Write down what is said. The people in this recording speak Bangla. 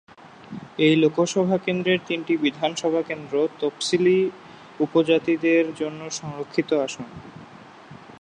এই লোকসভা কেন্দ্রের তিনটি বিধানসভা কেন্দ্র তফসিলী উপজাতিদের জন্য সংরক্ষিত আসন।